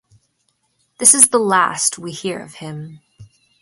This is the last we hear of him.